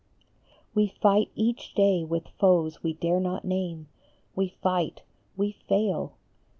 We fight each day with foes we dare not name. We fight, we fail